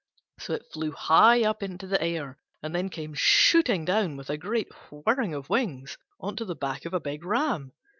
So it flew high up into the air, and then came shooting down with a great whirring of wings on to the back of a big ram.